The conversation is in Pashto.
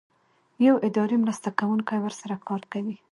یو اداري مرسته کوونکی ورسره کار کوي.